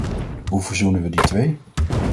Hoe verzoenen we die twee?